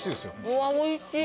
うわおいしい。